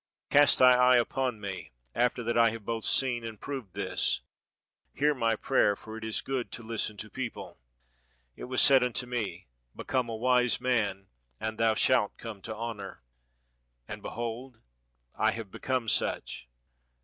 Cast thy eye upon me after that 45 EGYPT I have both seen and proved this. Hear my prayer, for it is good to listen to people. It was said iinto me, ' Become a wise man, and thou shalt come to honor,' and behold I have become such."